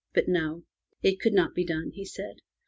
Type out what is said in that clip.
But no. It could not be done, he said.